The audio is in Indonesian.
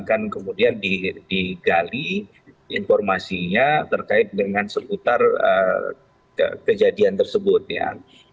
akan kemudian digali informasinya terkait dengan seputar kejadian tersebut ya